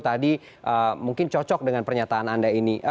tadi mungkin cocok dengan pernyataan anda ini